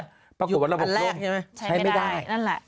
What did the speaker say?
ปรากฏวันเราบอกลงใช้ไม่ได้นั่นแหละอยู่อันแรกใช่ไหม